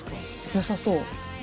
良さそう！